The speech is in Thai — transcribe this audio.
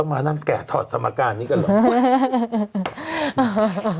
ต้องมางานแก่ถอดสมาการนี้กันหรอ